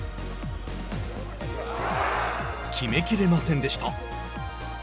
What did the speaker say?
決めきれませんでした。